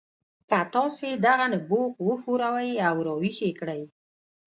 که تاسې دغه نبوغ وښوروئ او راویښ یې کړئ